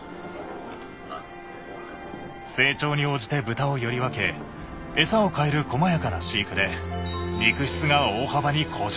成長に応じて豚をより分けエサを変えるこまやかな飼育で肉質が大幅に向上。